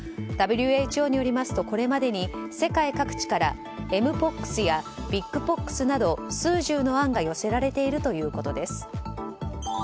ＷＨＯによりますとこれまでに世界各地からＭｐｏｘやビッグポックスなど数十の案が寄せられているということです。